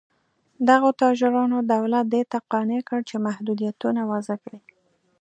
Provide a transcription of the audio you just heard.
دغو تاجرانو دولت دې ته قانع کړ چې محدودیتونه وضع کړي.